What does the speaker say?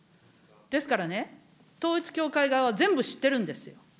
ですからね、統一教会側は全部知ってるんですよ。